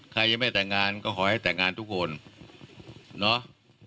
ใครยังไม่แต่งงานก็ขอให้แต่งงานทุกคนเนาะ